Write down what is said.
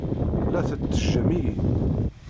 Tella tettejjem-iyi.